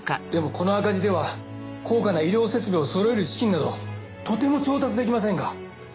でもこの赤字では高価な医療設備をそろえる資金などとても調達できませんが。